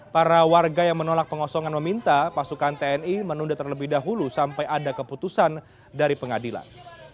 para warga yang menolak pengosongan meminta pasukan tni menunda terlebih dahulu sampai ada keputusan dari pengadilan